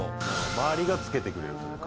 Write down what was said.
周りがつけてくれるというか。